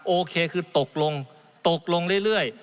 โอเคคือตกลงตกลงเรื่อย